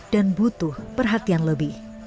dan butuh perhatian lebih